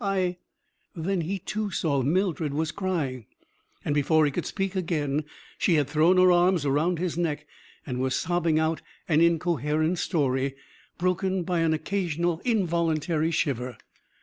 I " Then he, too, saw Mildred was crying. And before he could speak again, she had thrown her arms around his neck; and was sobbing out an incoherent story, broken by an occasional involuntary shiver.